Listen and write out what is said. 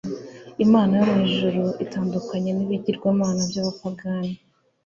imana yo mu ijuru itandukanye n'ibigirwamana by'abapagani